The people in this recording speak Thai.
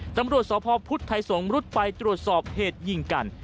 ตำรวจสพพุทธไทยสงฆ์รุดไปตรวจสอบเหตุยิงกัน